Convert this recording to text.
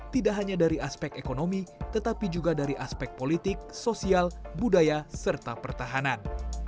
tidak hanya dari aspek ekonomi tetapi juga dari aspek politik sosial budaya serta pertahanan